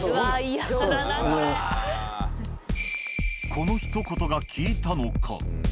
このひと言が効いたのか。